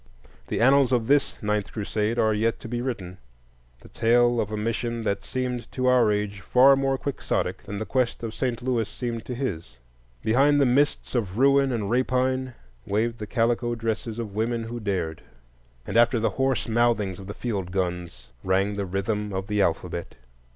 The annals of this Ninth Crusade are yet to be written,—the tale of a mission that seemed to our age far more quixotic than the quest of St. Louis seemed to his. Behind the mists of ruin and rapine waved the calico dresses of women who dared, and after the hoarse mouthings of the field guns rang the rhythm of the alphabet.